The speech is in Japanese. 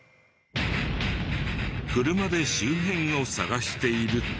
車で周辺を捜していると。